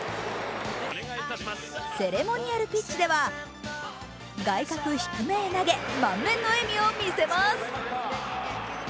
セレモニアルピッチでは、外角低めへ投げ満面の笑みを見せます。